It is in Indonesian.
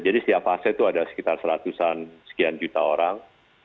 jadi setiap fase itu ada sekitar seratusan sekian juta orang